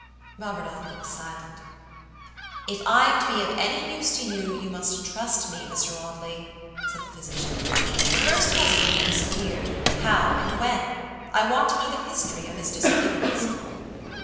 Robert Audley was silent. "If I am to be of use to you, you must trust me, Mr. Audley," said the physician. "The first husband disappearedhow and when? I want to know the history of his disappearance."